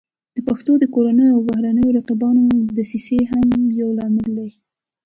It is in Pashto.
د پښتنو د کورنیو او بهرنیو رقیبانو دسیسې هم یو لامل دی